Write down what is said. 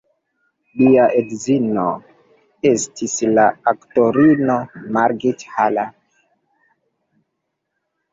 Lia edzino estis la aktorino Margit Haller.